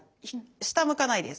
下向かないです。